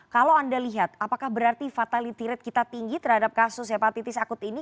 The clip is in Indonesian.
kalau anda lihat apakah berarti fatality rate kita tinggi terhadap kasus hepatitis akut ini